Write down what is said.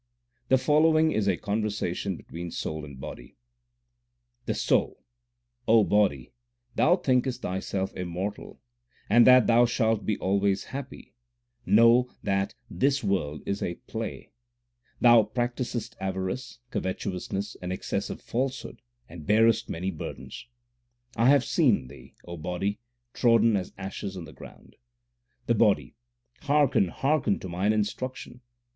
The following is a conversation between soul and body : The Soul : O body, thou thinkest thyself immortal, and that thou shalt be always happy know that this world is a play. 1 When life ceases, their souls take flight. HYMNS OF GURU NANAK 293 Thou practises! avarice, covetousness, and excessive falsehood, and bearest many burdens. I have seen thee, O body, trodden as ashes on the ground. The Body : Hearken, hearken to mine instruction.